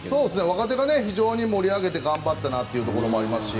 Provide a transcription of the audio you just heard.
若手が非常に盛り上げて頑張ったなところがありますし。